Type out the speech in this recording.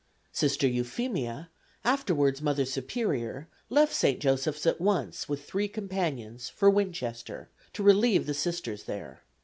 Sister Euphemia, afterwards Mother Superior, left St. Joseph's at once with three companions for Winchester, to relieve the Sisters there.